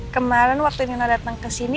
kemarin waktu nina datang ke sini